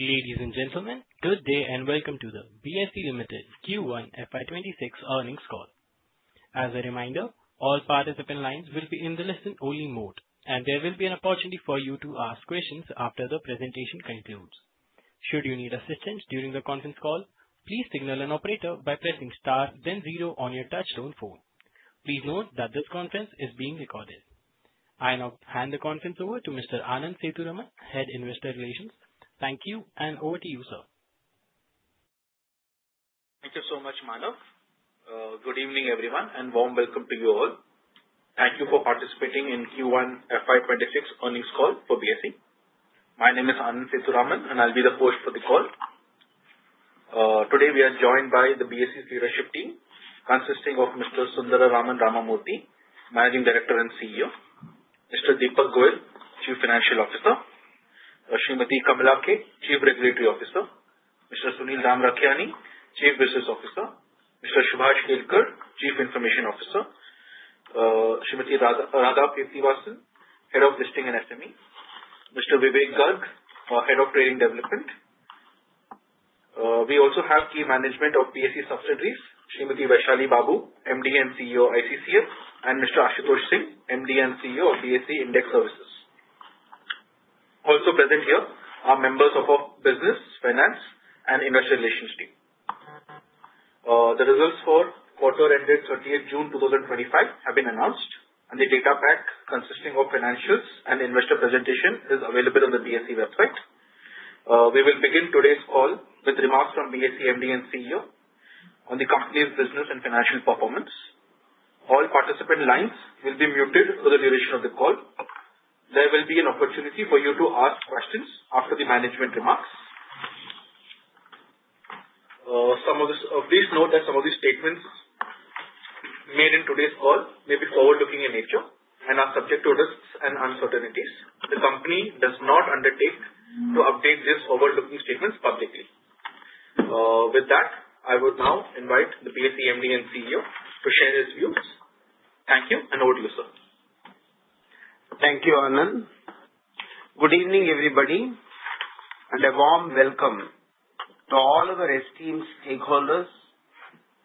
Ladies and gentlemen, good day and welcome to the BSE Limited Q1 FY 2026 earnings call. As a reminder, all participant lines will be in the listen-only mode, and there will be an opportunity for you to ask questions after the presentation concludes. Should you need assistance during the conference call, please signal an operator by pressing star, then zero on your touch-tone phone. Please note that this conference is being recorded. I now hand the conference over to Mr. Anand Sethuraman, Head Investor Relations. Thank you, and over to you, sir. Thank you so much, Manav. Good evening, everyone, and warm welcome to you all. Thank you for participating in Q1 FY26 earnings call for BSE. My name is Anand Sethuraman, and I'll be the host for the call. Today, we are joined by the BSE's leadership team, consisting of Mr. Sundararaman Ramamurthy, Managing Director and CEO, Mr. Deepak Goel, Chief Financial Officer, Shrimati Kamala K, Chief Regulatory Officer, Mr. Sunil Ramrakhiani, Chief Business Officer, Mr. Subhash Kelkar, Chief Information Officer, Shrimati Radha Kirthivasan, Head of Listing and SME, Mr. Vivek Garg, Head of Trading Development. We also have key management of BSE subsidiaries: Shrimati Vaishali Babu, MD and CEO ICCL, and Mr. Ashutosh Singh, MD and CEO of BSE Index Services. Also present here are members of our Business, Finance, and Investor Relations team. The results for quarter-ending 30th June 2025 have been announced, and the data pack consisting of financials and investor presentation is available on the BSE website. We will begin today's call with remarks from BSE MD and CEO on the company's business and financial performance. All participant lines will be muted for the duration of the call. There will be an opportunity for you to ask questions after the management remarks. Please note that some of the statements made in today's call may be forward-looking in nature and are subject to risks and uncertainties. The company does not undertake to update these forward-looking statements publicly. With that, I would now invite the BSE MD and CEO to share his views. Thank you, and over to you, sir. Thank you, Anand. Good evening, everybody, and a warm welcome to all of our esteemed stakeholders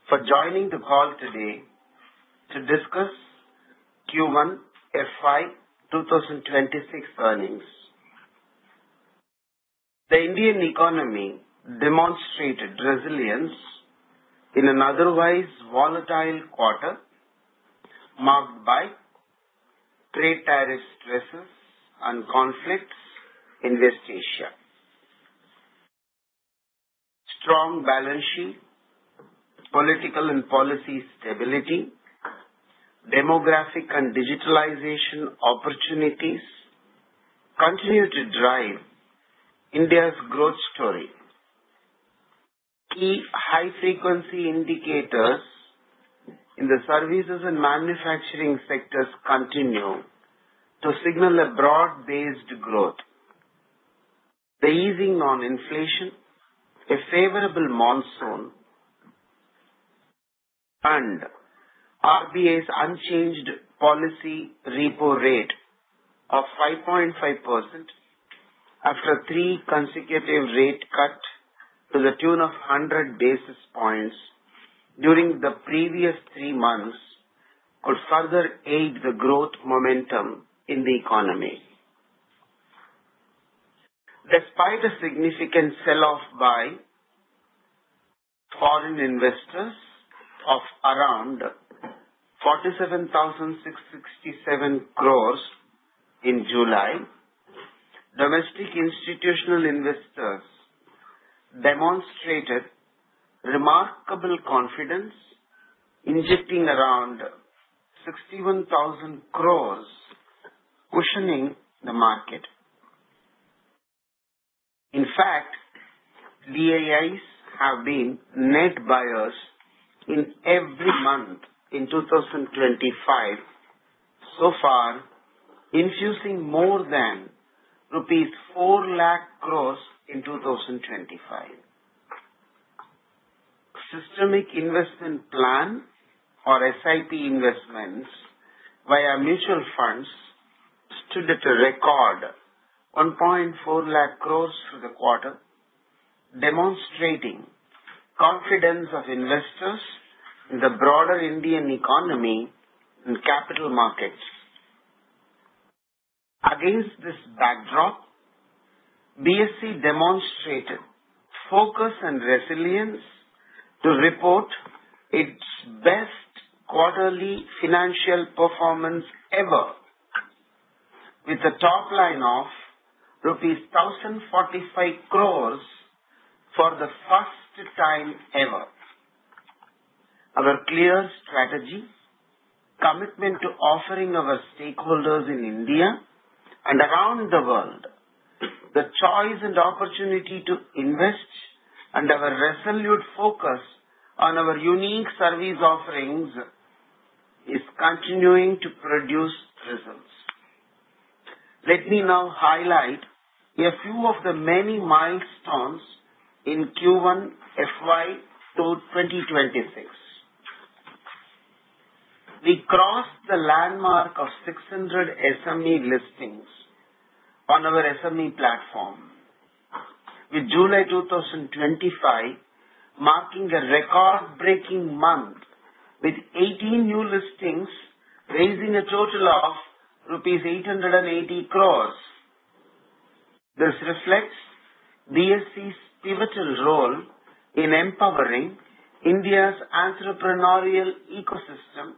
for joining the call today to discuss Q1 FY26 earnings. The Indian economy demonstrated resilience in an otherwise volatile quarter marked by trade tariff stresses and conflicts in West Asia. Strong balance sheet, political and policy stability, demographic and digitalization opportunities continue to drive India's growth story. Key high-frequency indicators in the services and manufacturing sectors continue to signal a broad-based growth. The easing on inflation, a favorable monsoon, and RBI's unchanged policy repo rate of 5.5% after three consecutive rate cuts to the tune of 100 basis points during the previous three months could further aid the growth momentum in the economy. Despite a significant sell-off by foreign investors of around 47,667 crores in July, domestic institutional investors demonstrated remarkable confidence, injecting around 61,000 crores cushioning the market. In fact, DIIs have been net buyers in every month in 2025, so far infusing more than rupees 4 lakh crores in 2025. Systemic investment plan or SIP investments via mutual funds stood at a record 1.4 lakh crores for the quarter, demonstrating confidence of investors in the broader Indian economy and capital markets. Against this backdrop, BSE demonstrated focus and resilience to report its best quarterly financial performance ever, with a top line of rupees 1,045 crores for the first time ever. Our clear strategy, commitment to offering our stakeholders in India and around the world the choice and opportunity to invest, and our resolute focus on our unique service offerings is continuing to produce results. Let me now highlight a few of the many milestones in Q1 FY 2026. We crossed the landmark of 600 SME listings on our SME platform, with July 2025 marking a record-breaking month with 18 new listings, raising a total of rupees 880 crores. This reflects BSE's pivotal role in empowering India's entrepreneurial ecosystem,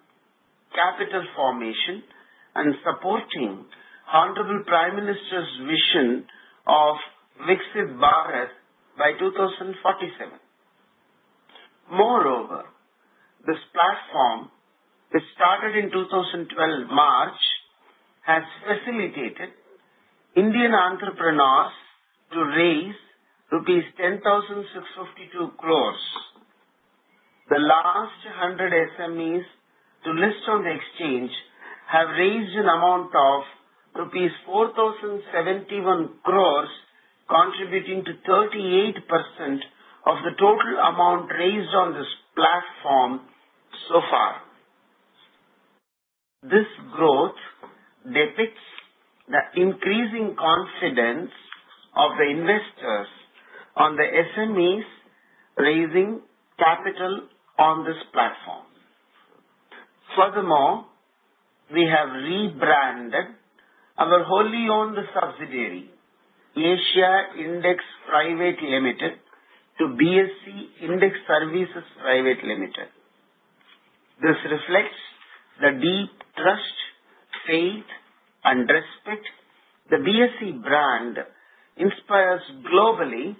capital formation, and supporting Hon. Prime Minister's vision of Viksit Bharat by 2047. Moreover, this platform, which started in 2012 March, has facilitated Indian entrepreneurs to raise rupees 10,652 crores. The last 100 SMEs to list on the exchange have raised an amount of ₹4,071 crores, contributing to 38% of the total amount raised on this platform so far. This growth depicts the increasing confidence of the investors on the SMEs raising capital on this platform. Furthermore, we have rebranded our wholly-owned subsidiary, Asia Index Private Limited, to BSE Index Services Private Limited. This reflects the deep trust, faith, and respect the BSE brand inspires globally,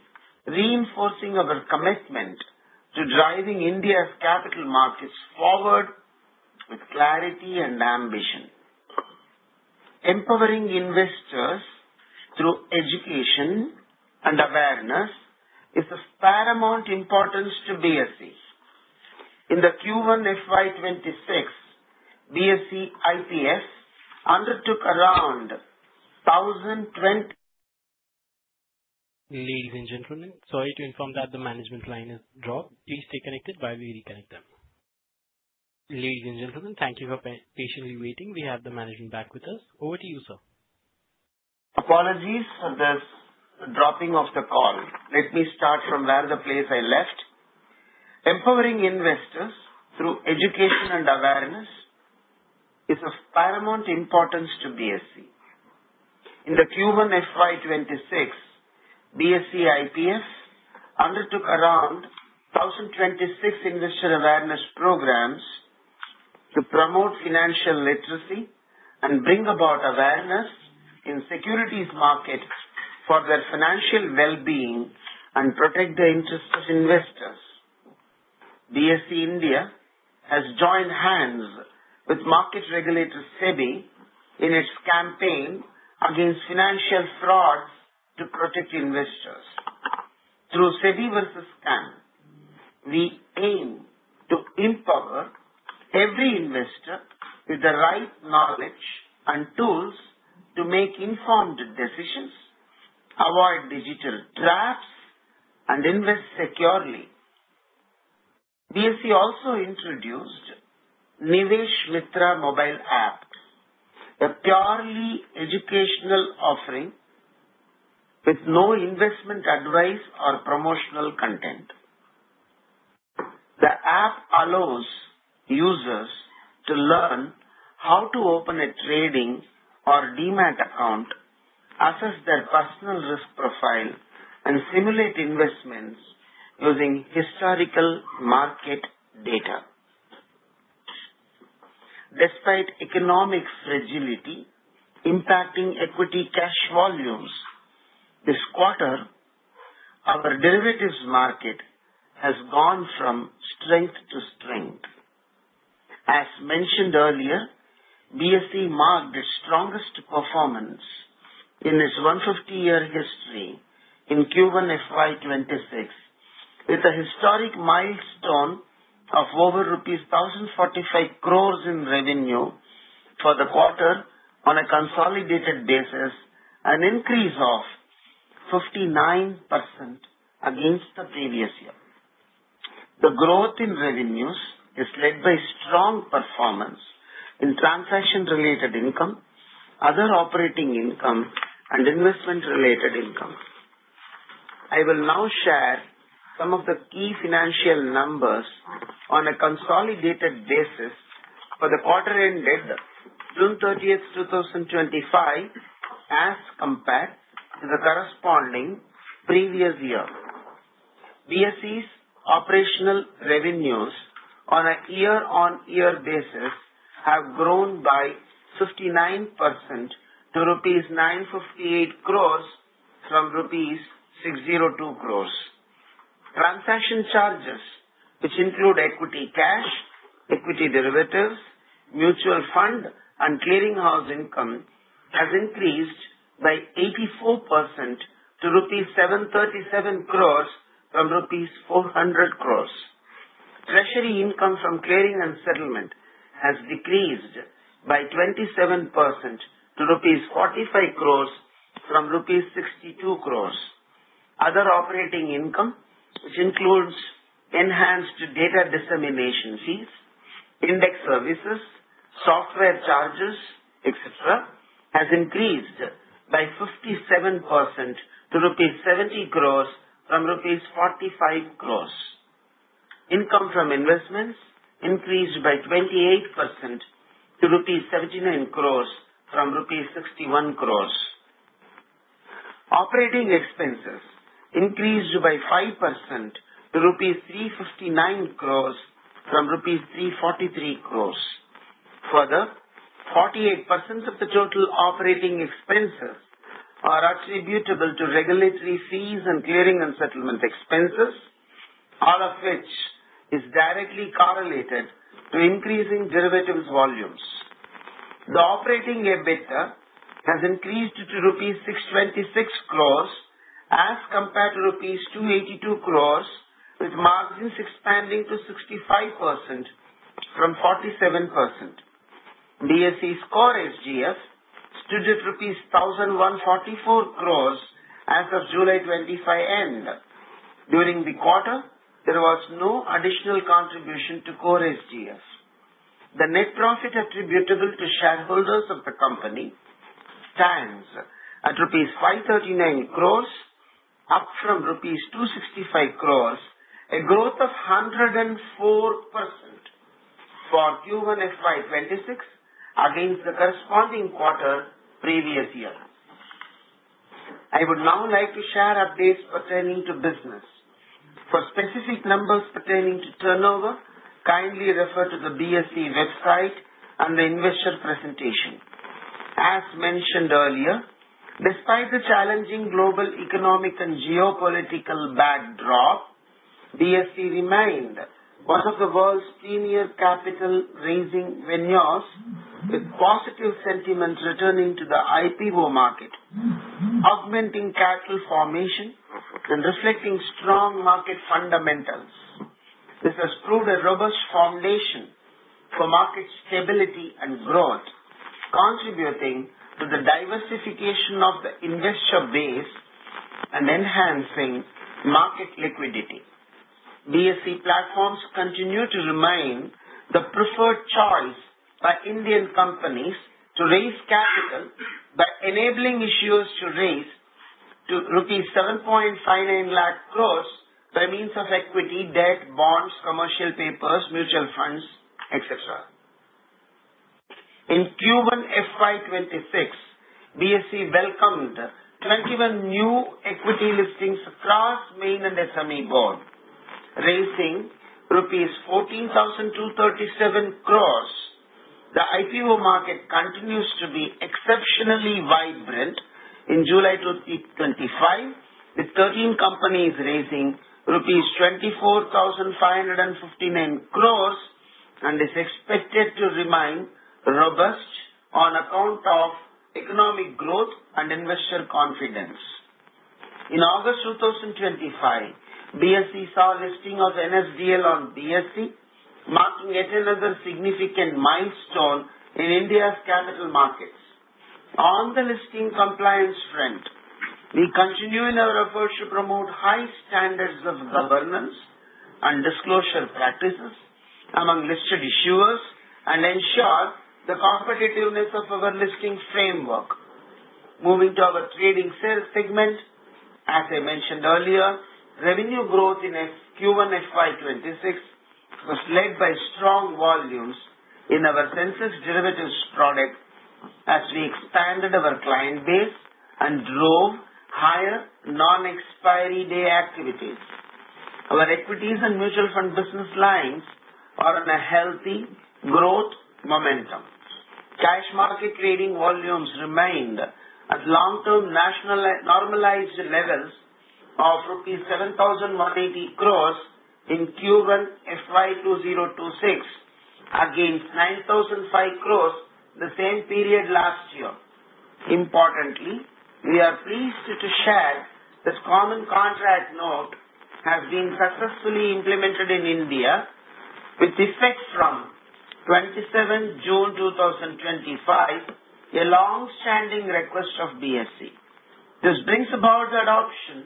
reinforcing our commitment to driving India's capital markets forward with clarity and ambition. Empowering investors through education and awareness is of paramount importance to BSE. In the Q1 FY 2026, BSE IPF undertook around 1,020. Ladies and gentlemen, sorry to inform that the management line has dropped. Please stay connected while we reconnect them. Ladies and gentlemen, thank you for patiently waiting. We have the management back with us. Over to you, sir. Apologies for this dropping of the call. Let me start from where the place I left. Empowering investors through education and awareness is of paramount importance to BSE. In the Q1 FY 2026, BSE IPF undertook around 1,026 investor awareness programs to promote financial literacy and bring about awareness in securities markets for their financial well-being and protect the interests of investors. BSE India has joined hands with market regulator SEBI in its campaign against financial frauds to protect investors. Through SEBI vs. [SCAN], we aim to empower every investor with the right knowledge and tools to make informed decisions, avoid digital traps, and invest securely. BSE also introduced Nivesh Mitra Mobile App, a purely educational offering with no investment advice or promotional content. The app allows users to learn how to open a trading or demat account, assess their personal risk profile, and simulate investments using historical market data. Despite economic fragility impacting equity cash volumes, this quarter, our derivatives market has gone from strength to strength. As mentioned earlier, BSE marked its strongest performance in its 150-year history in Q1 FY 2026, with a historic milestone of over rupees 1,045 crores in revenue for the quarter on a consolidated basis and an increase of 59% against the previous year. The growth in revenues is led by strong performance in transaction-related income, other operating income, and investment-related income. I will now share some of the key financial numbers on a consolidated basis for the quarter-ended June 30, 2025, as compared to the corresponding previous year. BSE's operational revenues on a year-on-year basis have grown by 59% to rupees 958 crores from rupees 602 crores. Transaction charges, which include equity cash, equity derivatives, mutual fund, and clearinghouse income, have increased by 84% to rupees 737 crores from rupees 400 crores. Treasury income from clearing and settlement has decreased by 27% to rupees 45 crores from rupees 62 crores. Other operating income, which includes enhanced data dissemination fees, index services, software charges, etc., has increased by 57% to rupees 70 crores from rupees 45 crores. Income from investments increased by 28% to rupees 79 crores from rupees 61 crores. Operating expenses increased by 5% to rupees 359 crores from rupees 343 crores. Further, 48% of the total operating expenses are attributable to regulatory fees and clearing and settlement expenses, all of which is directly correlated to increasing derivatives volumes. The operating EBITDA has increased to rupees 626 crores as compared to rupees 282 crores, with margins expanding to 65% from 47%. BSE's Core SGF stood at rupees 1,144 crores as of July 25 end. During the quarter, there was no additional contribution to Core SGF. The net profit attributable to shareholders of the company stands at rupees 539 crores, up from rupees 265 crores, a growth of 104% for Q1 FY 2026 against the corresponding quarter previous year. I would now like to share updates pertaining to business. For specific numbers pertaining to turnover, kindly refer to the BSE website and the investor presentation. As mentioned earlier, despite the challenging global economic and geopolitical backdrop, BSE remained one of the world's premier capital-raising venues, with positive sentiment returning to the IPO market, augmenting capital formation, and reflecting strong market fundamentals. This has proved a robust foundation for market stability and growth, contributing to the diversification of the investor base and enhancing market liquidity. BSE platforms continue to remain the preferred choice by Indian companies to raise capital by enabling issuers to raise to rupees 7.59 lakh crores by means of equity, debt, bonds, commercial papers, mutual funds, etc. In Q1 FY 2026, BSE welcomed 21 new equity listings across main and SME board, raising rupees 14,237 crores. The IPO market continues to be exceptionally vibrant in July 2025, with 13 companies raising rupees 24,559 crores and is expected to remain robust on account of economic growth and investor confidence. In August 2025, BSE saw listing of NSDL on BSE, marking yet another significant milestone in India's capital markets. On the listing compliance front, we continue in our effort to promote high standards of governance and disclosure practices among listed issuers and ensure the competitiveness of our listing framework. Moving to our trading sales segment, as I mentioned earlier, revenue growth in Q1 FY 2026 was led by strong volumes in our Sensex derivatives product as we expanded our client base and drove higher non-expiry day activities. Our equities and mutual fund business lines are on a healthy growth momentum. Cash market trading volumes remained at long-term normalized levels of rupees 7,180 crores in Q1 FY26 against 9,005 crores the same period last year. Importantly, we are pleased to share that the Common Contract Note has been successfully implemented in India, with effect from 27 June 2025, a long-standing request of BSE. This brings about the adoption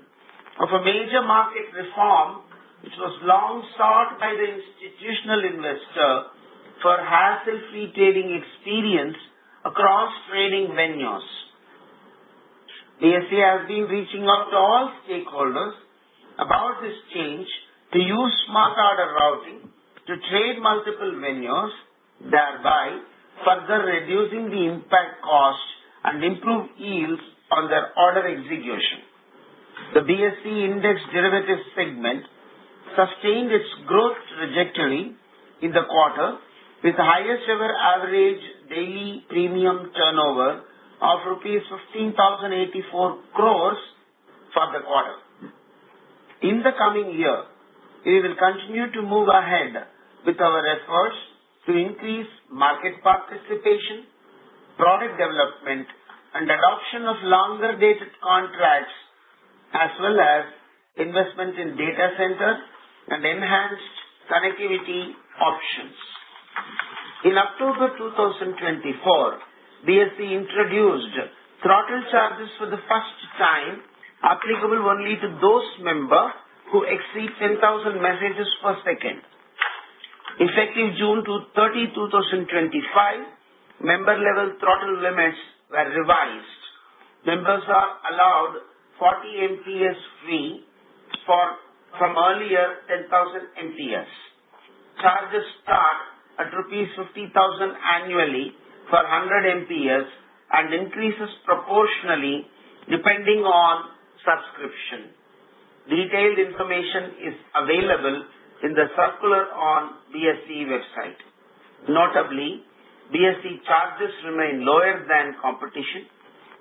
of a major market reform, which was long sought by the institutional investor for hassle-free trading experience across trading venues. BSE has been reaching out to all stakeholders about this change to use smart order routing to trade multiple venues, thereby further reducing the impact cost and improved yields on their order execution. The BSE index derivatives segment sustained its growth trajectory in the quarter, with the highest-ever average daily premium turnover of rupees 15,084 crores for the quarter. In the coming year, we will continue to move ahead with our efforts to increase market participation, product development, and adoption of longer-dated contracts, as well as investment in data centers and enhanced connectivity options. In October 2024, BSE introduced throttle charges for the first time, applicable only to those members who exceed 10,000 messages per second. Effective June 30, 2025, member-level throttle limits were revised. Members are allowed 40 MPS free from earlier 10,000 MPS. Charges start at rupees 50,000 annually for 100 MPS and increase proportionally depending on subscription. Detailed information is available in the circular on BSE website. Notably, BSE charges remain lower than competition,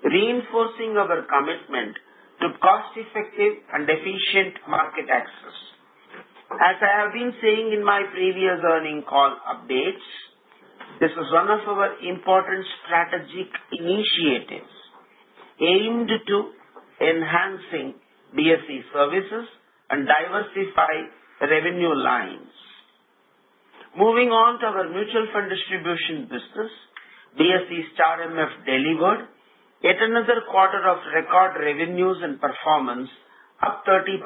reinforcing our commitment to cost-effective and efficient market access. As I have been saying in my previous earnings call updates, this is one of our important strategic initiatives aimed at enhancing BSE services and diversifying revenue lines. Moving on to our mutual fund distribution business, BSE Star MF delivered yet another quarter of record revenues and performance, up 30%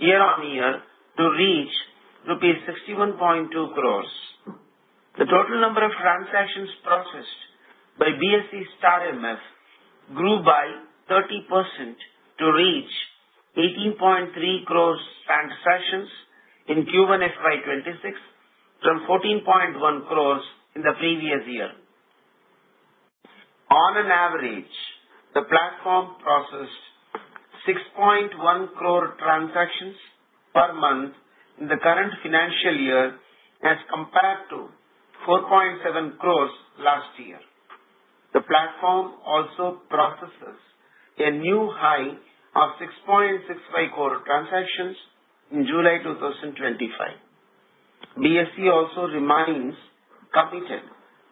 year-on-year to reach rupees 61.2 crores. The total number of transactions processed by BSE Star MF grew by 30% to reach 18.3 crores transactions in Q1 FY 2026 from 14.1 crores in the previous year. On an average, the platform processed 6.1 crore transactions per month in the current financial year as compared to 4.7 crores last year. The platform also processes a new high of 6.65 crore transactions in July 2025. BSE also remains committed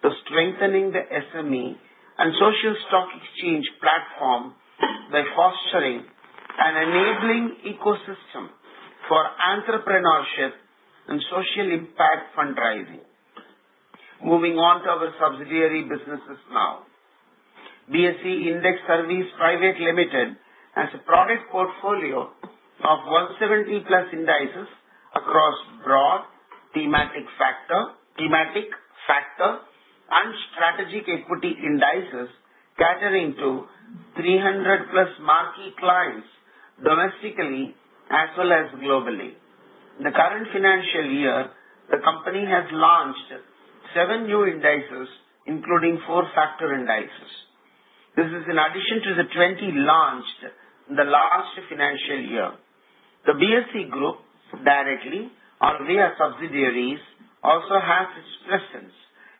to strengthening the SME and social stock exchange platform by fostering and enabling ecosystem for entrepreneurship and social impact fundraising. Moving on to our subsidiary businesses now, BSE Index Services Private Limited has a product portfolio of 170-plus indices across broad thematic factor and strategic equity indices catering to 300-plus marquee clients domestically as well as globally. In the current financial year, the company has launched seven new indices, including four-factor indices. This is in addition to the 20 launched in the last financial year. The BSE Group, directly or via subsidiaries, also has its presence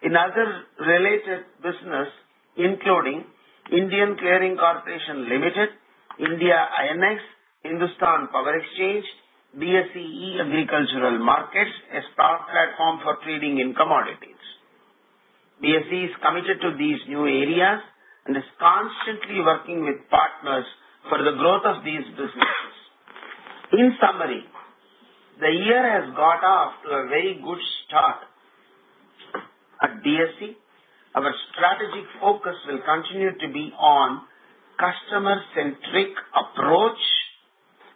in other related businesses, including Indian Clearing Corporation Limited, India INX, Hindustan Power Exchange, BSE E-Agricultural Markets as a platform for trading in commodities. BSE is committed to these new areas and is constantly working with partners for the growth of these businesses. In summary, the year has got off to a very good start at BSE. Our strategic focus will continue to be on a customer-centric approach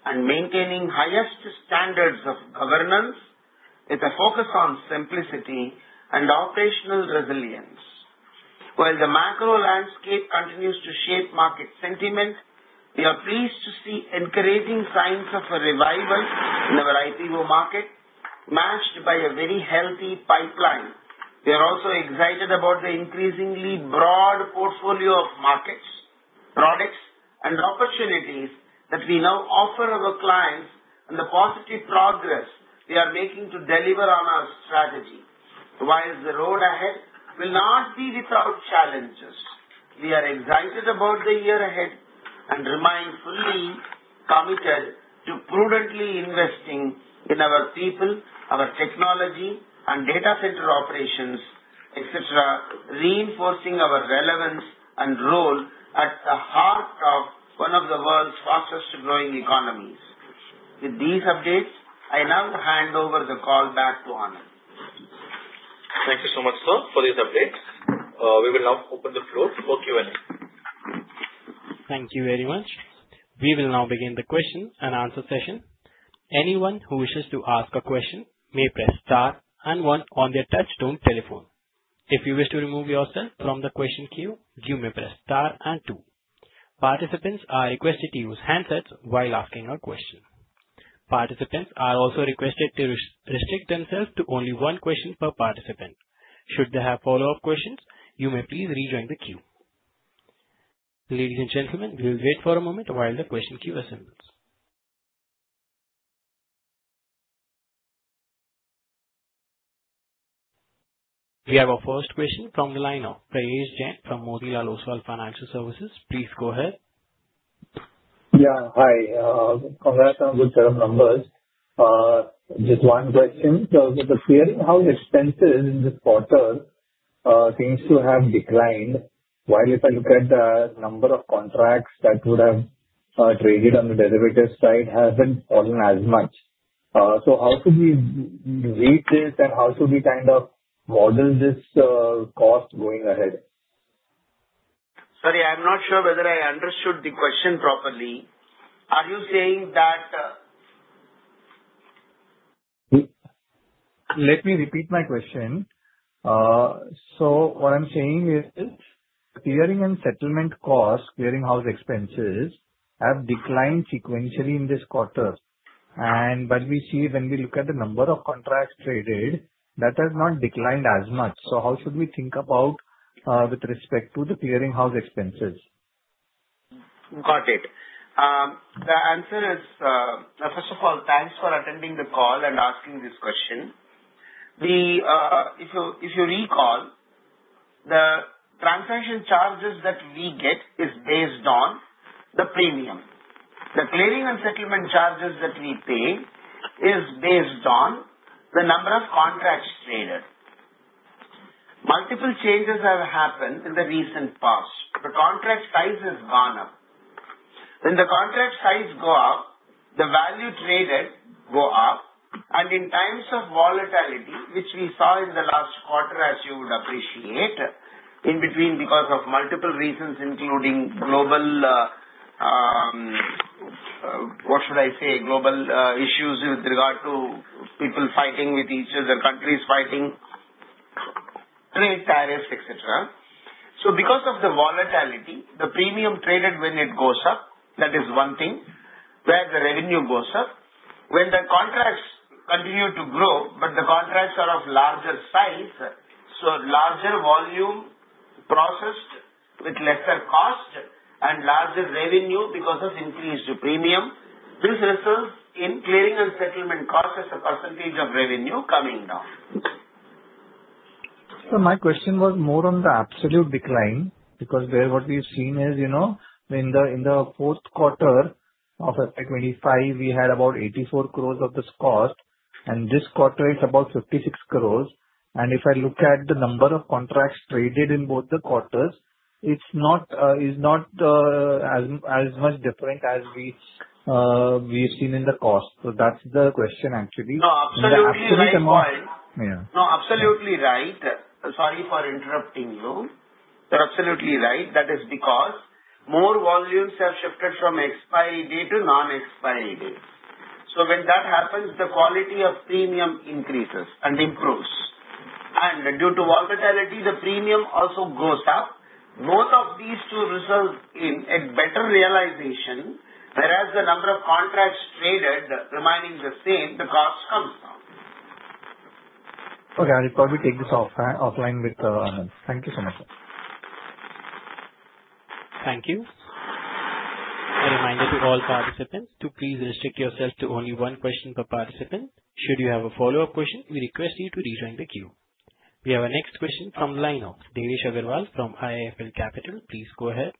and maintaining the highest standards of governance with a focus on simplicity and operational resilience. While the macro landscape continues to shape market sentiment, we are pleased to see encouraging signs of a revival in our IPO market, matched by a very healthy pipeline. We are also excited about the increasingly broad portfolio of markets, products, and opportunities that we now offer our clients and the positive progress we are making to deliver on our strategy. While the road ahead will not be without challenges, we are excited about the year ahead and remain fully committed to prudently investing in our people, our technology, and data center operations, etc., reinforcing our relevance and role at the heart of one of the world's fastest-growing economies. With these updates, I now hand over the call back to Anand. Thank you so much, sir, for these updates. We will now open the floor for Q&A. Thank you very much. We will now begin the question and answer session. Anyone who wishes to ask a question may press Star and 1 on their touchtone telephone. If you wish to remove yourself from the question queue, you may press star and two. Participants are requested to use handsets while asking a question. Participants are also requested to restrict themselves to only one question per participant. Should they have follow-up questions, you may please rejoin the queue. Ladies and gentlemen, we will wait for a moment while the question queue assembles. We have our first question from the lineup. Prayesh Jain from Motilal Oswal Financial Services, please go ahead. Yeah, hi. Congrats on good quarter numbers. Just one question. The clearing house expenses in this quarter seems to have declined, while if I look at the number of contracts that would have traded on the derivatives side hasn't fallen as much. So how should we read this and how should we kind of model this cost going ahead? Sorry, I'm not sure whether I understood the question properly. Are you saying that? Let me repeat my question. So what I'm saying is clearing and settlement costs, clearinghouse expenses have declined sequentially in this quarter. But we see when we look at the number of contracts traded, that has not declined as much. So how should we think about with respect to the clearinghouse expenses? Got it. The answer is, first of all, thanks for attending the call and asking this question. If you recall, the transaction charges that we get is based on the premium. The clearing and settlement charges that we pay is based on the number of contracts traded. Multiple changes have happened in the recent past. The contract size has gone up. When the contract size goes up, the value traded goes up. And in times of volatility, which we saw in the last quarter, as you would appreciate, in between because of multiple reasons, including global—what should I say?—global issues with regard to people fighting with each other, countries fighting, trade tariffs, etc. So because of the volatility, the premium traded when it goes up, that is one thing, where the revenue goes up. When the contracts continue to grow, but the contracts are of larger size, so larger volume processed with lesser cost and larger revenue because of increased premium, this results in clearing and settlement costs as a percentage of revenue coming down. So my question was more on the absolute decline because there what we've seen is in the fourth quarter of FY 2025, we had about 84 crores of this cost, and this quarter it's about 56 crores. And if I look at the number of contracts traded in both the quarters, it's not as much different as we've seen in the cost. So that's the question, actually. No, absolutely right. Sorry for interrupting you. You're absolutely right. That is because more volumes have shifted from expiry day to non-expiry day. So when that happens, the quality of premium increases and improves. And due to volatility, the premium also goes up. Both of these two result in a better realization, whereas the number of contracts traded remaining the same, the cost comes down. Okay, I'll probably take this offline with Anand. Thank you so much, sir. Thank you. A reminder to all participants to please restrict yourself to only one question per participant. Should you have a follow-up question, we request you to rejoin the queue. We have a next question from the lineup. Devesh Agarwal from IIFL Securities, please go ahead.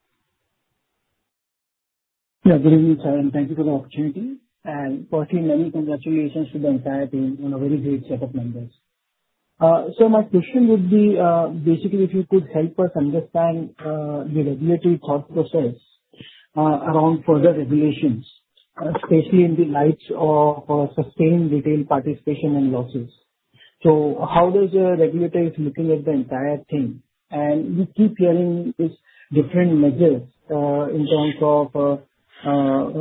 Yeah, good evening, sir, and thank you for the opportunity. And firstly, many congratulations to the entire team and a very great set of members. So my question would be basically if you could help us understand the regulatory thought process around further regulations, especially in the light of sustained retail participation and losses. So how does the regulator is looking at the entire thing? And we keep hearing these different measures in terms of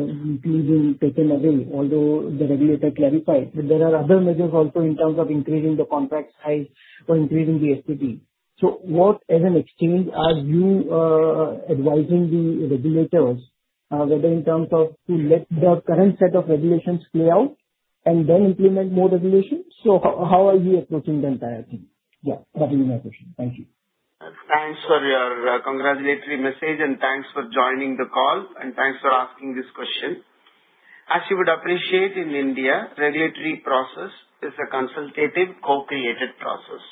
being taken away, although the regulator clarified. But there are other measures also in terms of increasing the contract size or increasing the STT. So what, as an exchange, are you advising the regulators, whether in terms of to let the current set of regulations play out and then implement more regulations? So how are you approaching the entire thing? Yeah, that would be my question. Thank you. Thanks for your congratulatory message, and thanks for joining the call, and thanks for asking this question. As you would appreciate, in India, regulatory process is a consultative, co-created process.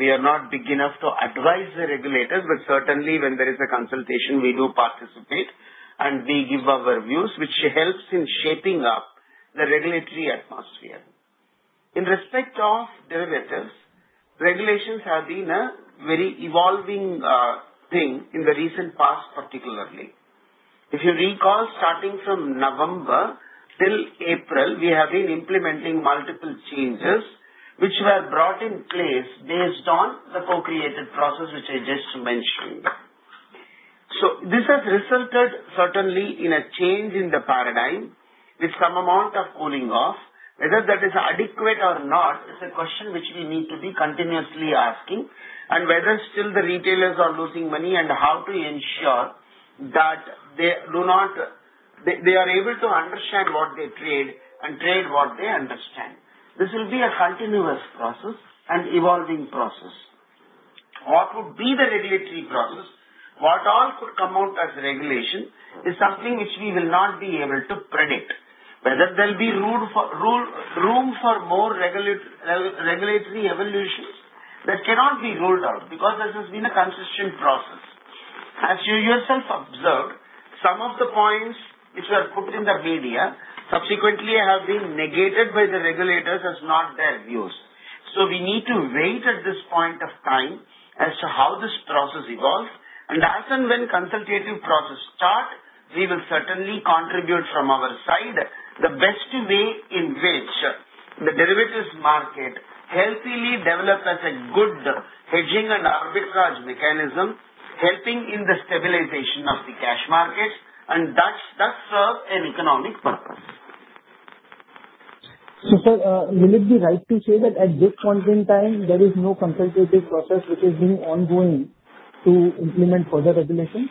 We are not big enough to advise the regulators, but certainly when there is a consultation, we do participate and we give our views, which helps in shaping up the regulatory atmosphere. In respect of derivatives, regulations have been a very evolving thing in the recent past, particularly. If you recall, starting from November till April, we have been implementing multiple changes, which were brought in place based on the co-created process, which I just mentioned. So this has resulted certainly in a change in the paradigm with some amount of cooling off. Whether that is adequate or not is a question which we need to be continuously asking, and whether still the retailers are losing money and how to ensure that they are able to understand what they trade and trade what they understand. This will be a continuous process and evolving process. What would be the regulatory process? What all could come out as regulation is something which we will not be able to predict. Whether there'll be room for more regulatory evolutions that cannot be ruled out because this has been a consistent process. As you yourself observed, some of the points which were put in the media subsequently have been negated by the regulators as not their views. So we need to wait at this point of time as to how this process evolves. As and when consultative process starts, we will certainly contribute from our side the best way in which the derivatives market healthily develops as a good hedging and arbitrage mechanism, helping in the stabilization of the cash markets and thus serve an economic purpose. So sir, will it be right to say that at this point in time, there is no consultative process which is being ongoing to implement further regulations?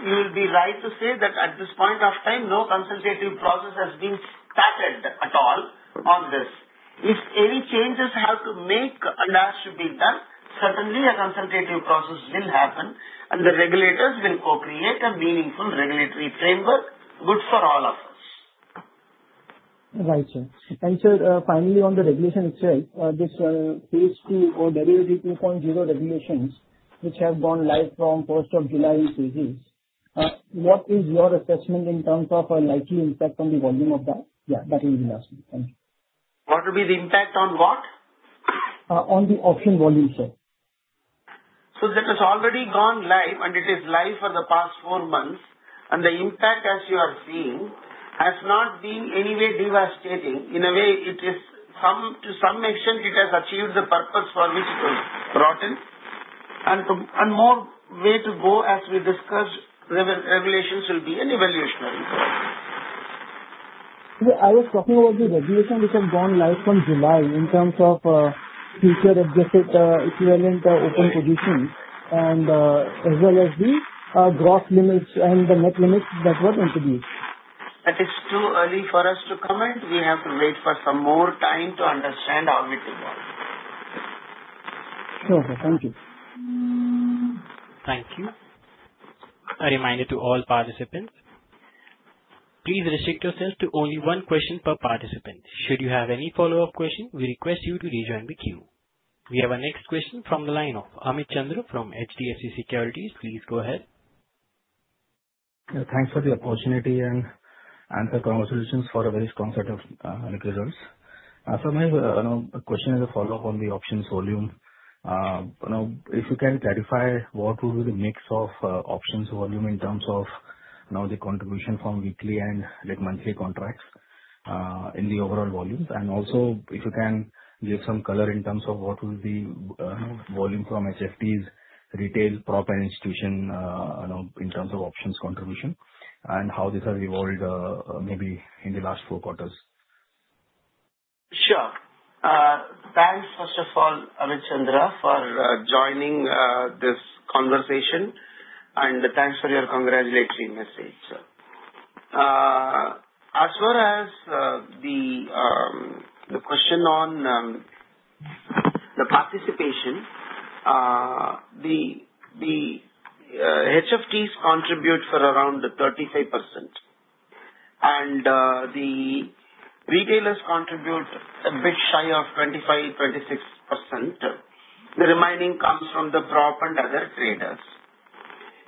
You will be right to say that at this point of time, no consultative process has been tackled at all on this. If any changes have to make and have to be done, certainly a consultative process will happen, and the regulators will co-create a meaningful regulatory framework good for all of us. Right, sir. And sir, finally, on the regulation itself, this H2 or Derivative 2.0 regulations, which have gone live from first of July in cities, what is your assessment in terms of a likely impact on the volume of that? Yeah, that will be last. Thank you. What will be the impact on what? On the option volume, sir. So that has already gone live, and it is live for the past four months. And the impact, as you are seeing, has not been in any way devastating. In a way, to some extent, it has achieved the purpose for which it was brought in. And more ways to go, as we discussed, regulations will be an evolutionary process. Yeah, I was talking about the regulation which has gone live from July in terms of futures and options equivalent open positions, and as well as the gross limits and the net limits that were introduced. That is too early for us to comment. We have to wait for some more time to understand how it evolves. Sure, sir. Thank you. Thank you. A reminder to all participants, please restrict yourself to only one question per participant. Should you have any follow-up question, we request you to rejoin the queue. We have a next question from the lineup. Amit Chandra from HDFC Securities, please go ahead. Thanks for the opportunity and the conversations for a very strong set of results. So my question is a follow-up on the options volume. If you can clarify what would be the mix of options volume in terms of the contribution from weekly and monthly contracts in the overall volumes? And also, if you can give some color in terms of what will be volume from HFTs, retail, prop, and institution in terms of options contribution, and how this has evolved maybe in the last four quarters. Sure. Thanks, first of all, Amit Chandra, for joining this conversation. And thanks for your congratulatory message, sir. As far as the question on the participation, the HFTs contribute for around 35%, and the retailers contribute a bit shy of 25-26%. The remaining comes from the prop and other traders.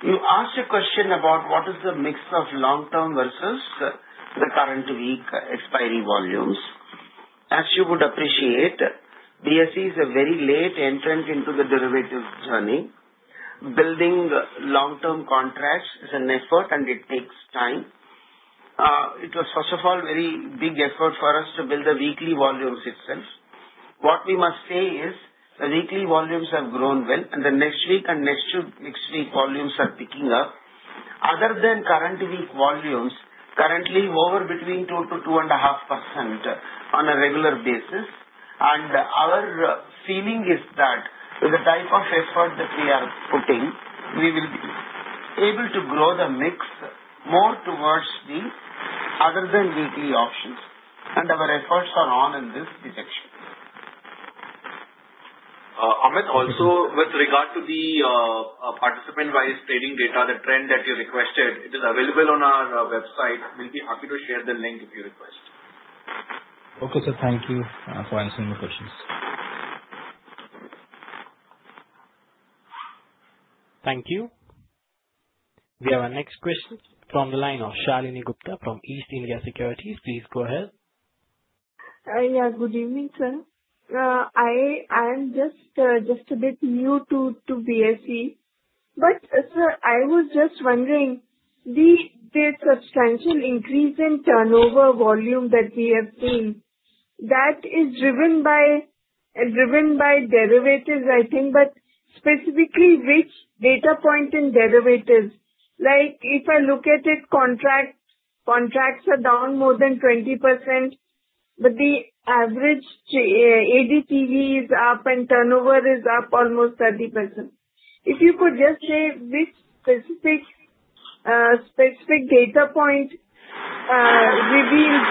You asked a question about what is the mix of long-term versus the current week expiry volumes. As you would appreciate, BSE is a very late entrant into the derivatives journey. Building long-term contracts is an effort, and it takes time. It was, first of all, a very big effort for us to build the weekly volumes itself. What we must say is the weekly volumes have grown well, and the next week and next week volumes are picking up. Other than current week volumes, currently we're between 2%-2.5% on a regular basis. And our feeling is that with the type of effort that we are putting, we will be able to grow the mix more towards the other than weekly options. And our efforts are on in this direction. Amit, also with regard to the participant-wise trading data, the trend that you requested, it is available on our website. We'll be happy to share the link if you request. Okay, sir. Thank you for answering my questions. Thank you. We have a next question from the line of Shalini Gupta from East India Securities. Please go ahead. Yeah, good evening, sir. I am just a bit new to BSE. But sir, I was just wondering, the substantial increase in turnover volume that we have seen, that is driven by derivatives, I think. But specifically, which data point in derivatives? If I look at it, contracts are down more than 20%, but the average ADTV is up, and turnover is up almost 30%. If you could just say which specific data point reveals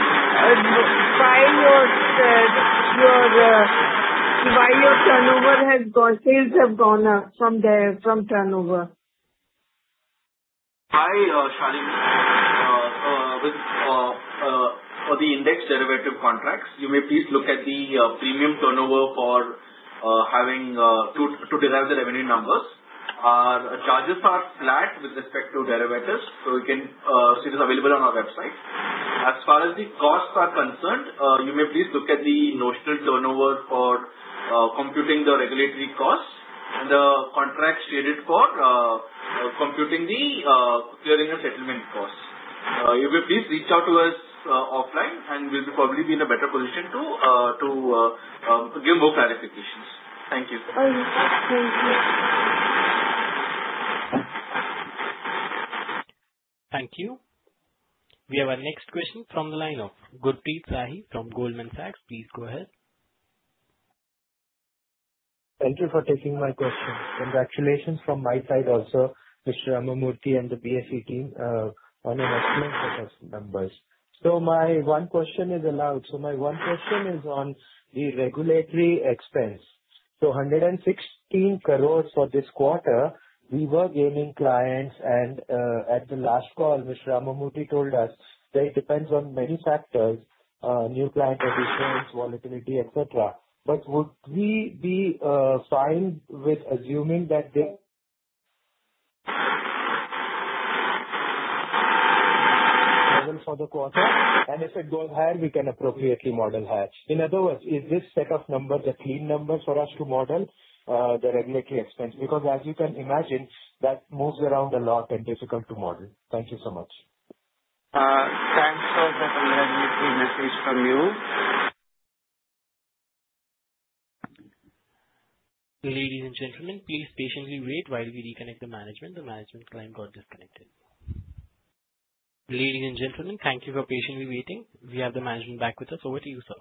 why your turnover has gone up from turnover? Hi, Shalini. For the index derivative contracts, you may please look at the premium turnover for having to derive the revenue numbers. Our charges are flat with respect to derivatives, so you can see this available on our website. As far as the costs are concerned, you may please look at the notional turnover for computing the regulatory costs and the contract traded for computing the clearing and settlement costs. You may please reach out to us offline, and we'll probably be in a better position to give more clarifications. Thank you. Thank you. Thank you. We have a next question from the line of Gurpreet Sahi from Goldman Sachs. Please go ahead. Thank you for taking my question. Congratulations from my side also, Mr. Ramamurthy and the BSE team on an excellent set of numbers. So my one question is allowed. So my one question is on the regulatory expense. So 116 crores for this quarter, we were gaining clients. And at the last call, Mr. Ramamurthy told us that it depends on many factors: new client additions, volatility, etc. But would we be fine with assuming that the level for the quarter? And if it goes higher, we can appropriately model that. In other words, is this set of numbers a clean number for us to model the regulatory expense? Because as you can imagine, that moves around a lot and difficult to model. Thank you so much. Thanks for the congratulatory message from you. Ladies and gentlemen, please patiently wait while we reconnect the management. The management client got disconnected. Ladies and gentlemen, thank you for patiently waiting. We have the management back with us. Over to you, sir.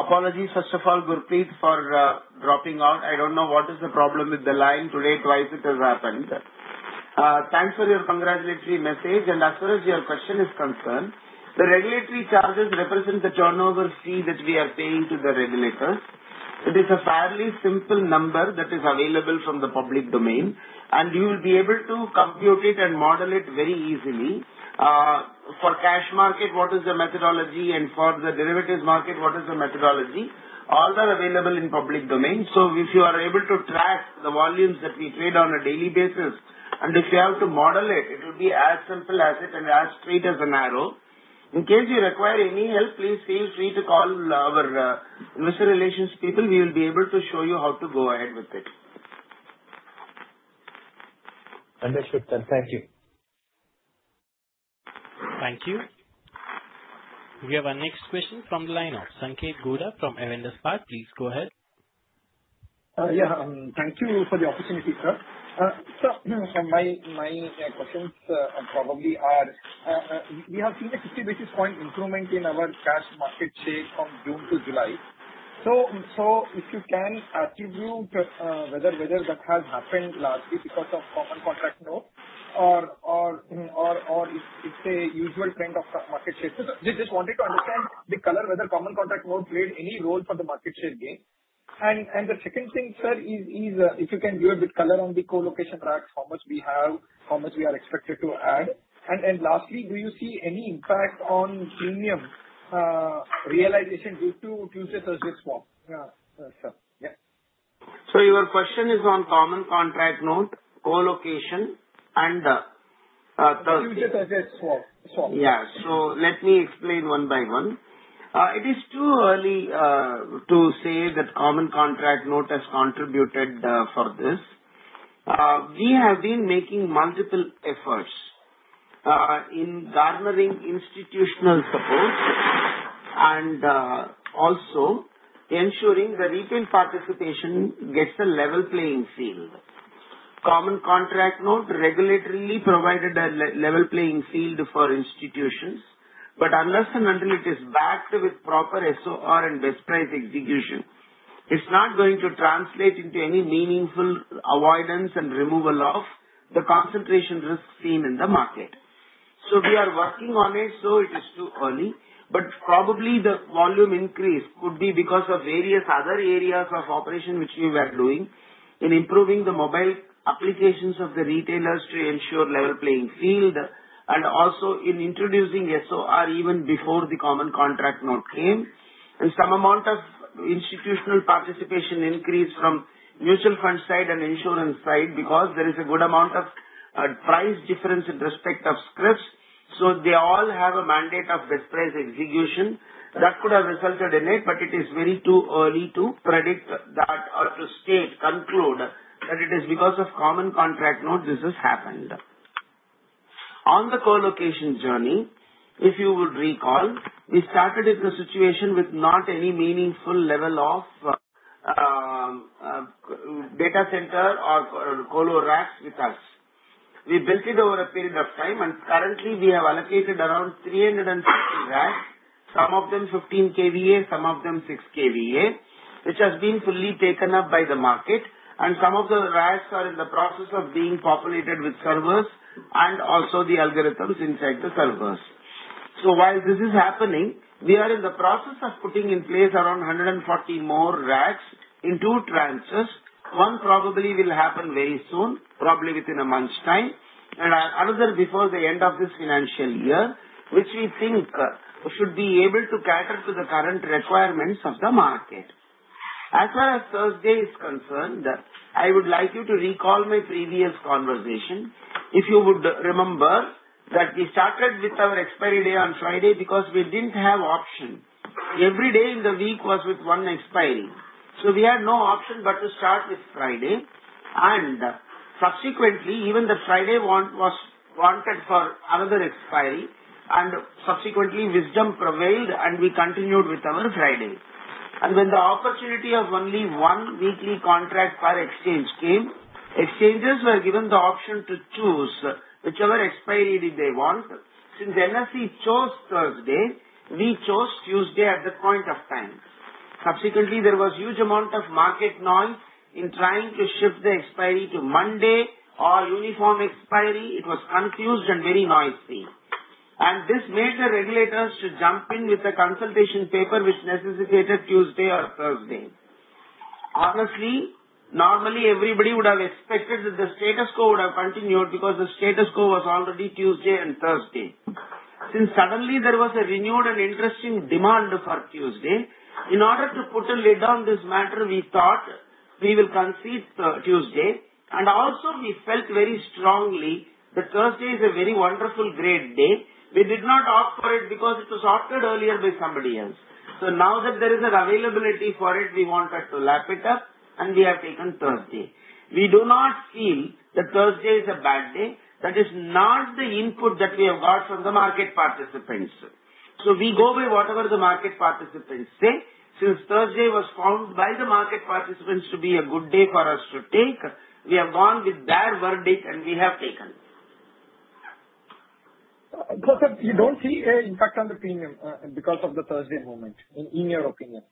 Apologies, first of all, Gurpreet, for dropping out. I don't know what is the problem with the line. Today, twice it has happened. Thanks for your congratulatory message. And as far as your question is concerned, the regulatory charges represent the turnover fee that we are paying to the regulators. It is a fairly simple number that is available from the public domain, and you will be able to compute it and model it very easily. For cash market, what is the methodology? And for the derivatives market, what is the methodology? All are available in public domain. So if you are able to track the volumes that we trade on a daily basis, and if you have to model it, it will be as simple as it and as straight as an arrow. In case you require any help, please feel free to call our investor relations people. We will be able to show you how to go ahead with it. Understood, sir. Thank you. Thank you. We have a next question from the line of Sanketh Godha from Avendus Spark. Please go ahead. Yeah, thank you for the opportunity, sir. So my questions probably are, we have seen a 50 basis point improvement in our cash market share from June to July. So if you can attribute whether that has happened largely because of common contract note or it's a usual trend of market share. So just wanted to understand the color whether common contract note played any role for the market share gain. And the second thing, sir, is if you can do a bit color on the colocation racks, how much we have, how much we are expected to add. And lastly, do you see any impact on premium realization due to Tuesday, Thursday swap? Yeah. So your question is on Common Contract Note, colocation, and the. Tuesday, Thursday swap. Yeah. So let me explain one by one. It is too early to say that common contract note has contributed for this. We have been making multiple efforts in garnering institutional support and also ensuring the retail participation gets a level playing field. Common contract note regulatorily provided a level playing field for institutions, but unless and until it is backed with proper SOR and best price execution, it's not going to translate into any meaningful avoidance and removal of the concentration risk seen in the market. So we are working on it, so it is too early. But probably the volume increase could be because of various other areas of operation which we were doing in improving the mobile applications of the retailers to ensure level playing field and also in introducing SOR even before the common contract note came. Some amount of institutional participation increase from mutual fund side and insurance side because there is a good amount of price difference with respect to scrips. They all have a mandate of best price execution that could have resulted in it, but it is very too early to predict that or to state, conclude that it is because of common contract note this has happened. On the colocation journey, if you would recall, we started in a situation with not any meaningful level of data center or colo racks with us. We built it over a period of time, and currently we have allocated around 350 racks, some of them 15 KVA, some of them 6 KVA, which has been fully taken up by the market. Some of the racks are in the process of being populated with servers and also the algorithms inside the servers. So while this is happening, we are in the process of putting in place around 140 more racks in two tranches. One probably will happen very soon, probably within a month's time, and another before the end of this financial year, which we think should be able to cater to the current requirements of the market. As far as Thursday is concerned, I would like you to recall my previous conversation. If you would remember that we started with our expiry day on Friday because we didn't have option. Every day in the week was with one expiry. So we had no option but to start with Friday. And subsequently, even the Friday wanted for another expiry. And subsequently, wisdom prevailed, and we continued with our Friday. When the opportunity of only one weekly contract per exchange came, exchanges were given the option to choose whichever expiry day they want. Since NSE chose Thursday, we chose Tuesday at that point of time. Subsequently, there was a huge amount of market noise in trying to shift the expiry to Monday or uniform expiry. It was confused and very noisy. And this made the regulators to jump in with the consultation paper which necessitated Tuesday or Thursday. Honestly, normally everybody would have expected that the status quo would have continued because the status quo was already Tuesday and Thursday. Since suddenly there was a renewed and interesting demand for Tuesday, in order to put a lid on this matter, we thought we will concede Tuesday. And also, we felt very strongly that Thursday is a very wonderful great day. We did not opt for it because it was opted earlier by somebody else, so now that there is an availability for it, we wanted to lap it up, and we have taken Thursday. We do not feel that Thursday is a bad day. That is not the input that we have got from the market participants, so we go by whatever the market participants say. Since Thursday was found by the market participants to be a good day for us to take, we have gone with their verdict, and we have taken it. Sir, you don't see any impact on the premium because of the Thursday movement, in your opinion?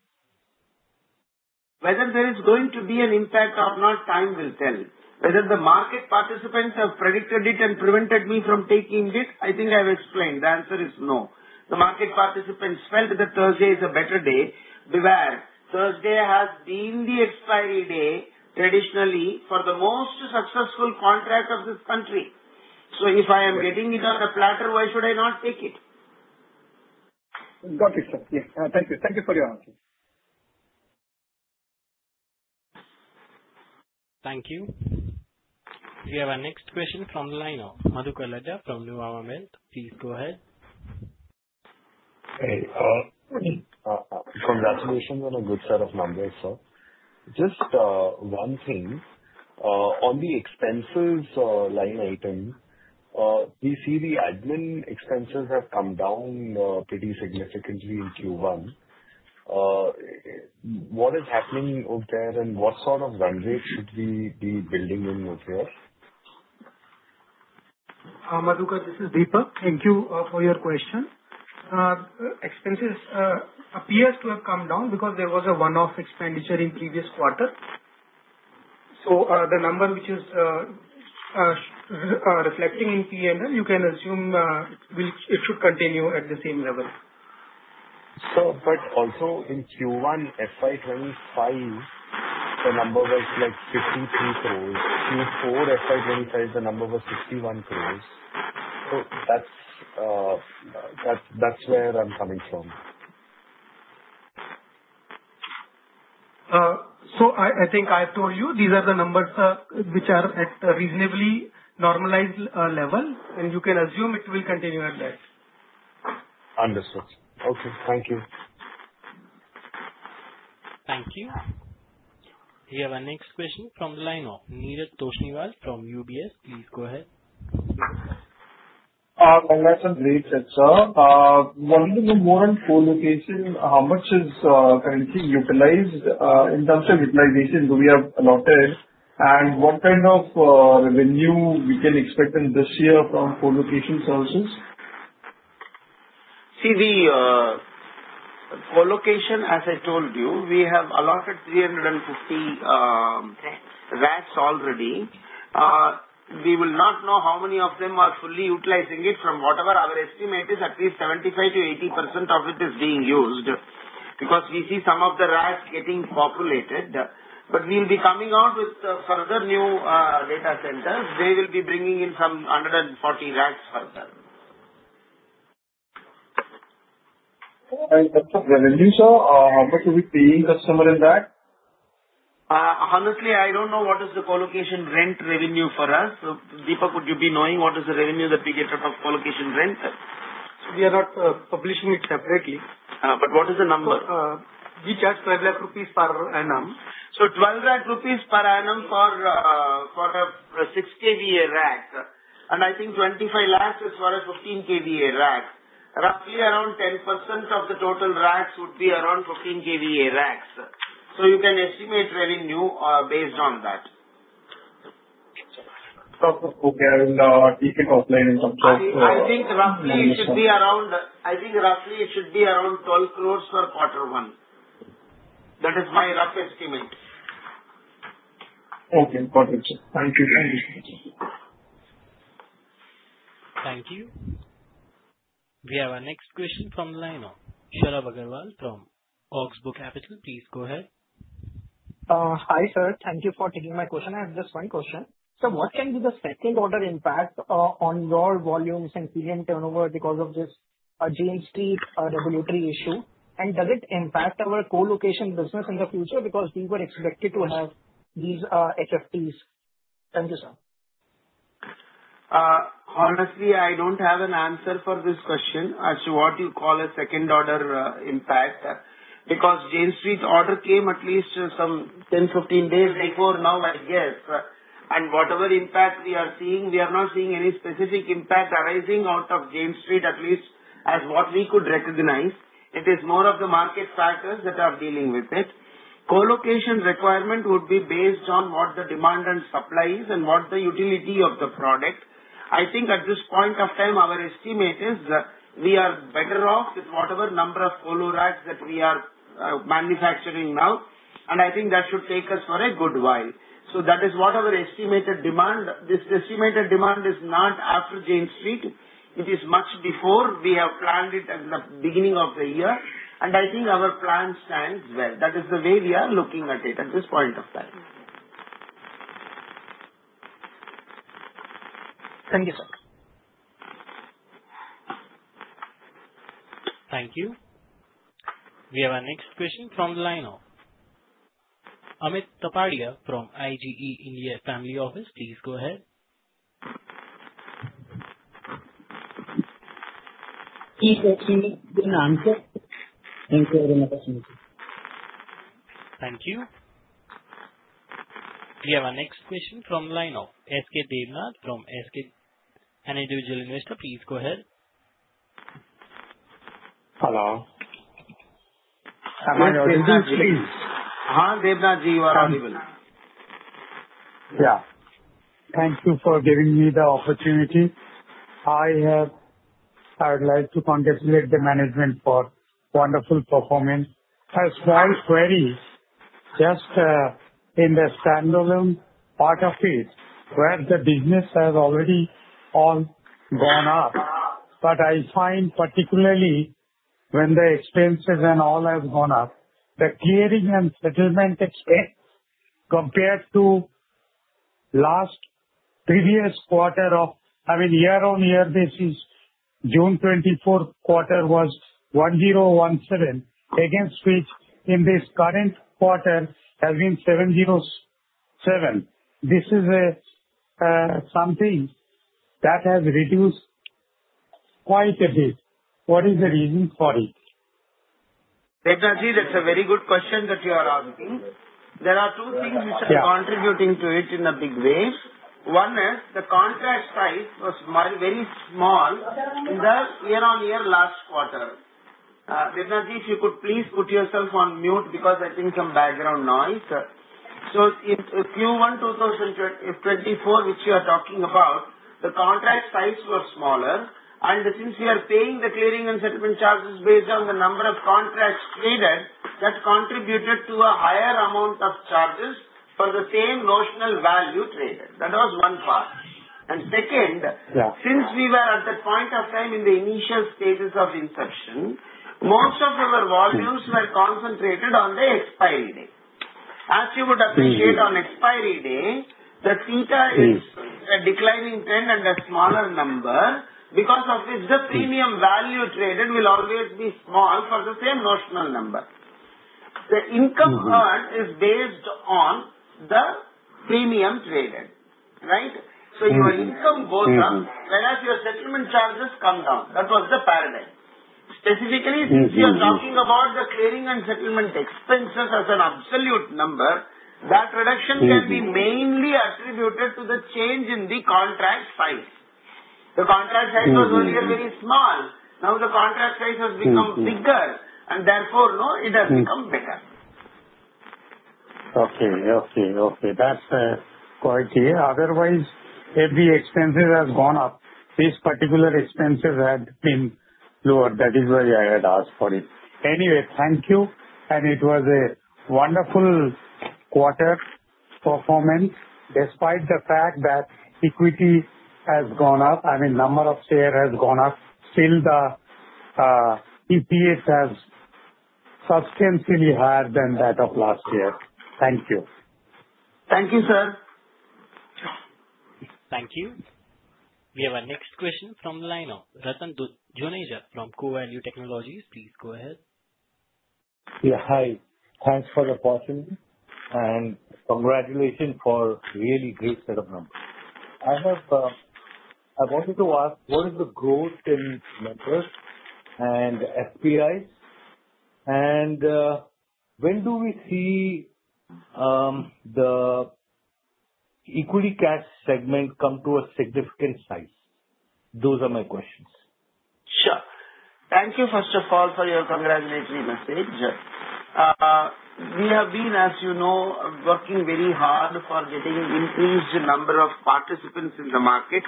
Whether there is going to be an impact or not, time will tell. Whether the market participants have predicted it and prevented me from taking it, I think I've explained. The answer is no. The market participants felt that Thursday is a better day. But, Thursday has been the expiry day traditionally for the most successful contract of this country. So if I am getting it on a platter, why should I not take it? Got it, sir. Yes. Thank you. Thank you for your answer. Thank you. We have a next question from the line of Madhukar Ladha from Nuvama Institutional Equities. Please go ahead. Hey. Congratulations on a good set of numbers, sir. Just one thing. On the expenses line item, we see the admin expenses have come down pretty significantly in Q1. What is happening over there, and what sort of run rate should we be building in over here? Madhukar, this is Deepak. Thank you for your question. Expenses appear to have come down because there was a one-off expenditure in previous quarter. So the number which is reflecting in P&L, you can assume it should continue at the same level. Sir, but also in Q1, FY 2025, the number was like 53 crores. Q4, FY 2025, the number was 61 crores. So that's where I'm coming from. So I think I've told you these are the numbers which are at a reasonably normalized level, and you can assume it will continue at that. Understood, sir. Okay. Thank you. Thank you. We have a next question from the line of Neeraj Toshniwal from UBS. Please go ahead. That's a great set. Sir, wanting to know more on colocation, how much is currently utilized in terms of utilization do we have allotted, and what kind of revenue we can expect in this year from colocation services? See, the colocation, as I told you, we have allotted 350 racks already. We will not know how many of them are fully utilizing it. From whatever our estimate is, at least 75%-80% of it is being used because we see some of the racks getting populated. But we'll be coming out with further new data centers. They will be bringing in some 140 racks further. In terms of revenue, sir, how much are we paying customer in that? Honestly, I don't know what is the colocation rent revenue for us. Deepak, would you be knowing what is the revenue that we get out of colocation rent? We are not publishing it separately. But what is the number? We charge 12 lakh rupees per annum. So 12 lakh rupees per annum for a 6 KVA rack. And I think 25 lakhs as far as 15 KVA rack. Roughly around 10% of the total racks would be around 15 KVA racks. So you can estimate revenue based on that. Okay. And Deepak outlined in terms of. I think roughly it should be around 12 crores for quarter one. That is my rough estimate. Okay. Got it, sir. Thank you. Thank you. Thank you. We have a next question from the line of Saurabh Agarwal from Abakkus. Please go ahead. Hi sir. Thank you for taking my question. I have just one question. Sir, what can be the second-order impact on your volumes and premium turnover because of this Jane Street regulatory issue? And does it impact our colocation business in the future because we were expected to have these HFTs? Thank you, sir. Honestly, I don't have an answer for this question as to what you call a second-order impact because Jane Street order came at least some 10-15 days before now, I guess, and whatever impact we are seeing, we are not seeing any specific impact arising out of Jane Street at least as what we could recognize. It is more of the market factors that are dealing with it. Colocation requirement would be based on what the demand and supply is and what the utility of the product. I think at this point of time, our estimate is we are better off with whatever number of colo racks that we are manufacturing now, and I think that should take us for a good while, so that is what our estimated demand. This estimated demand is not after Jane Street, it is much before. We have planned it at the beginning of the year, and I think our plan stands well. That is the way we are looking at it at this point of time. Thank you, sir. Thank you. We have a next question from the line of Arpit Tapadia from IGE India Family Office. Please go ahead. Please let me give an answer. Thank you very much. Thank you. We have a next question from the line of S.K. Devnath from SK. An individual investor. Please go ahead. Hello. Hi, Devnath, please. Hi, Devnath. You are audible. Yeah. Thank you for giving me the opportunity. I'd like to congratulate the management for wonderful performance. A small query just in the standalone part of it where the business has already all gone up. But I find particularly when the expenses and all have gone up, the clearing and settlement expense compared to last previous quarter of, I mean, year-on-year basis, June 2024 quarter was 1017, against which in this current quarter has been 707. This is something that has reduced quite a bit. What is the reason for it? Devnathji, that's a very good question that you are asking. There are two things which are contributing to it in a big way. One is the contract size was very small in the year-on-year last quarter. Devnath, if you could please put yourself on mute because I think some background noise. So in Q1, 2024, which you are talking about, the contract size was smaller. And since we are paying the clearing and settlement charges based on the number of contracts traded, that contributed to a higher amount of charges for the same notional value traded. That was one part. And second, since we were at that point of time in the initial stages of inception, most of our volumes were concentrated on the expiry day. As you would appreciate, on expiry day, the theta is a declining trend and a smaller number because of which the premium value traded will always be small for the same notional number. The income earned is based on the premium traded, right? So your income goes up whereas your settlement charges come down. That was the paradigm. Specifically, since you are talking about the clearing and settlement expenses as an absolute number, that reduction can be mainly attributed to the change in the contract size. The contract size was earlier very small. Now the contract size has become bigger, and therefore it has become better. Okay. Okay. Okay. That's quite clear. Otherwise, if the expenses have gone up, these particular expenses had been lower. That is why I had asked for it. Anyway, thank you. And it was a wonderful quarter performance despite the fact that equity has gone up. I mean, number of shares has gone up. Still, the EPS has substantially higher than that of last year. Thank you. Thank you, sir. Thank you. We have a next question from the line of Ratan Juneja from CoValue Technologies. Please go ahead. Yeah. Hi. Thanks for the opportunity and congratulations for a really great set of numbers. I wanted to ask, what is the growth in numbers and FPIs, and when do we see the equity cash segment come to a significant size? Those are my questions. Sure. Thank you, first of all, for your congratulatory message. We have been, as you know, working very hard for getting an increased number of participants in the market.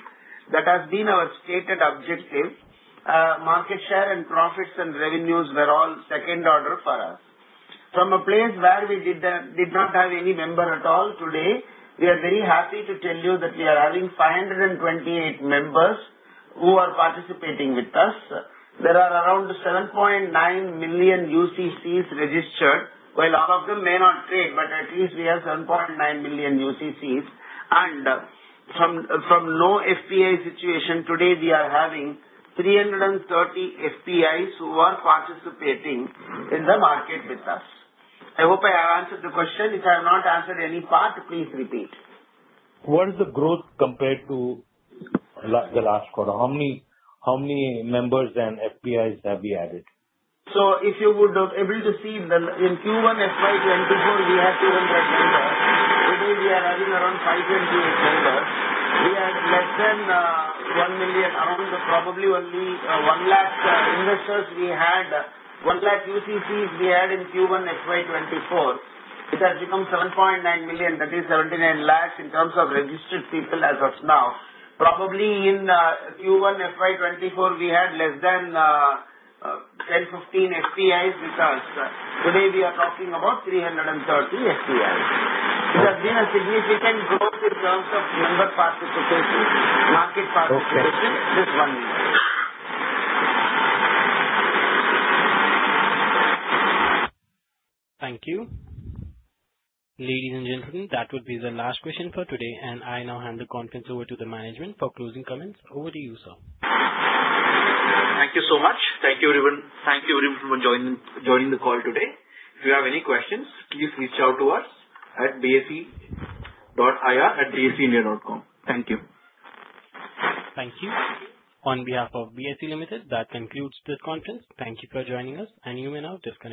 That has been our stated objective. Market share and profits and revenues were all second-order for us. From a place where we did not have any member at all today, we are very happy to tell you that we are having 528 members who are participating with us. There are around 7.9 million UCCs registered, while all of them may not trade, but at least we have 7.9 million UCCs. And from no FPI situation, today we are having 330 FPIs who are participating in the market with us. I hope I have answered the question. If I have not answered any part, please repeat. What is the growth compared to the last quarter? How many members and FPIs have we added? So if you would have been able to see, in Q1, FY 2024, we had 200 members. Today, we are having around 528 members. We had less than 1 million. Probably only one lakh investors we had, 1 lakh UCCs we had in Q1, FY24. It has become 7.9 million. That is 79 lakhs in terms of registered people as of now. Probably in Q1, FY 2024, we had less than 10, 15 FPIs with us. Today, we are talking about 330 FPIs. It has been a significant growth in terms of member participation, market participation, this one year. Thank you. Ladies and gentlemen, that would be the last question for today, and I now hand the conference over to the management for closing comments. Over to you, sir. Thank you so much. Thank you everyone for joining the call today. If you have any questions, please reach out to us at bse.ir@bseindia.com. Thank you. Thank you. On behalf of BSE Limited, that concludes this conference. Thank you for joining us. And you may now disconnect.